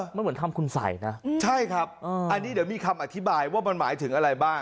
มันเหมือนทำคุณสัยนะใช่ครับอันนี้เดี๋ยวมีคำอธิบายว่ามันหมายถึงอะไรบ้าง